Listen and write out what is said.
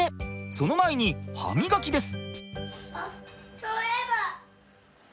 その前に歯磨きです。